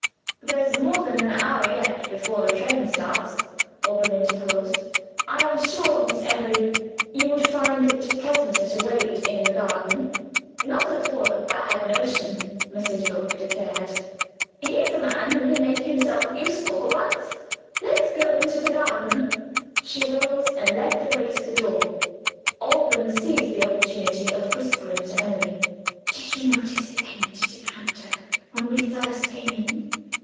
"There's more than an hour yet before the train starts," Alban interposed. "I am sure, Miss Emily, you would find it pleasanter to wait in the garden." "Not at all a bad notion," Mrs. Rook declared. "Here's a man who can make himself useful, for once. Let's go into the garden." She rose, and led the way to the door. Alban seized the opportunity of whispering to Emily. "Did you notice the empty decanter, when we first came in?